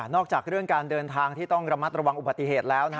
จากเรื่องการเดินทางที่ต้องระมัดระวังอุบัติเหตุแล้ว